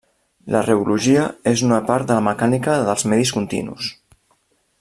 La reologia és una part de la mecànica dels medis continus.